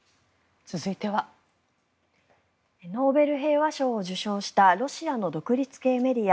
ノーベル平和賞を受賞したロシアの独立系メディア